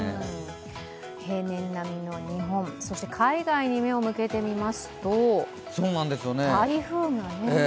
平年並みの日本、そして海外に目を向けてみますと台風がね。